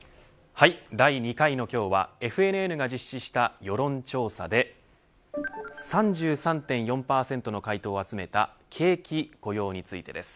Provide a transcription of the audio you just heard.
第２回の今日はＦＮＮが実施した世論調査で３３．４％の回答を集めた景気、雇用についてです。